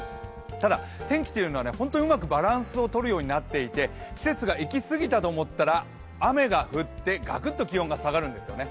ただ、天気というのは本当にうまくバランスを取るようになっていて、季節がいきすぎたと思ったら雨が降ってがくっと気温が下がるんですね。